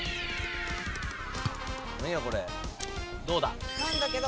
どうだ？